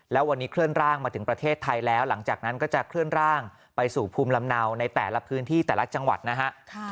แล้ววันนี้เคลื่อนร่างมาถึงประเทศไทยแล้วหลังจากนั้นก็จะเคลื่อนร่างไปสู่ภูมิลำเนาในแต่ละพื้นที่แต่ละจังหวัดนะฮะ